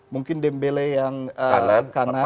mungkin dembele yang kanan